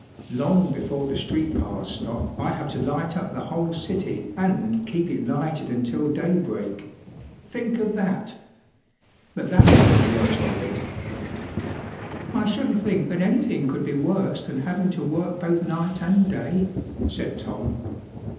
“Long before the street cars stop I have to light up the whole city, and keep it lighted until daybreak. Think of that! But that isn’t the worst of it.” “ I shouldn’t think that anything could be worse than having to work both night and day,” said Tom.